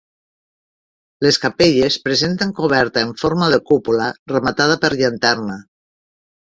Les capelles presenten coberta en forma de cúpula rematada per llanterna.